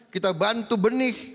kita bantu benih